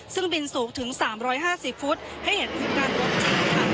ซึ่งบินสูงถึง๓๕๐ฟุตให้เห็นถึงการรวมใจค่ะ